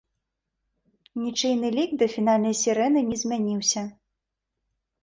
Нічыйны лік да фінальнай сірэны не змяніўся.